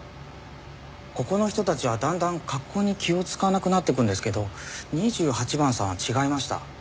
ここの人たちはだんだん格好に気を使わなくなっていくんですけど２８番さんは違いました。